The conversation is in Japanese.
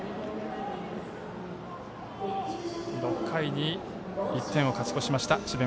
６回に１点を勝ち越しました智弁